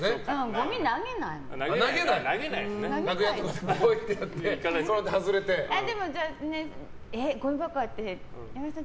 ごみは投げないもん。